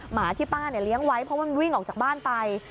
หมาที่ป้าเลี้ยงไว้เพราะมันวิ่งออกจากบ้านไป